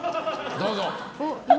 どうぞ。